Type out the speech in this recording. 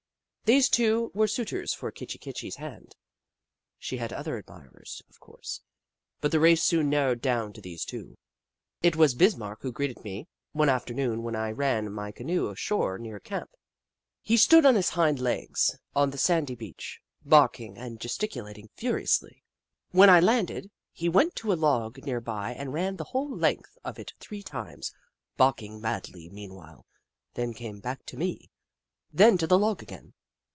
These two were suitors for Kit chi Kitchi's hand. She had other admirers, of course, but the race soon narrowed down to these two. It was Bismarck who greeted me one after 92 The Book of Clever Beasts noon when I ran my canoe ashore near camp. He stood on his hind legs, on the sandy beach, barking and gesticulating furiously. When I landed, he went to a log near by and ran the whole length of it three times, barking madly meanwhile, then back to me, then to the log again.